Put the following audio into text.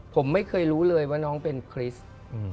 ผมไม่เคยรู้เลยว่าน้องเป็นคริสต์